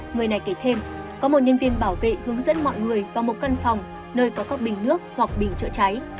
người này kể thêm có một nhân viên bảo vệ hướng dẫn mọi người vào một căn phòng nơi có các bình nước hoặc bình chữa cháy